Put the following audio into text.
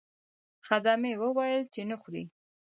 خدمې وویل چې نه خورئ.